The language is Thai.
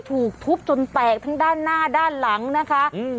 ถูกทุบจนแตกทั้งด้านหน้าด้านหลังนะคะอืม